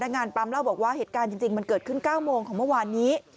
งานปั๊มเล่าบอกว่าเหตุการณ์จริงมันเกิดขึ้น๙โมงของเมื่อวานนี้